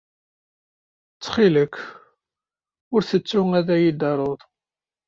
Ttxil-k, ur ttettu ad iyi-d-taruḍ.